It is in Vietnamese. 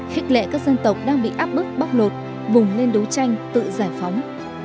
khích lệ các dân tộc đang bị áp bức bóc lột vùng lên đấu tranh tự giải phóng